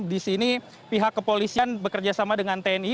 di sini pihak kepolisian bekerja sama dengan tni